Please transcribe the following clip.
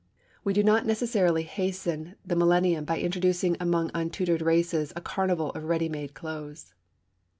We do not necessarily hasten the millennium by introducing among untutored races a carnival of ready made clothes.